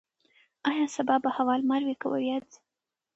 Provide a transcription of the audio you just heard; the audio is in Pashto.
ایا سبا به هوا لمر وي که وریځ؟